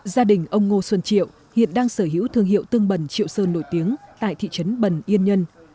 gia đình ông ngô xuân triệu hiện đang sở hữu thương hiệu tương bần triệu sơn nổi tiếng tại thị trấn bần yên nhân